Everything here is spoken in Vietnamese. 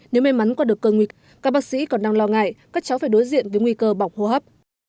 nếu may mắn qua được cơn nguy kịch các bác sĩ còn đang lo ngại các cháu phải đối diện với nguy cơ bỏng hô hấp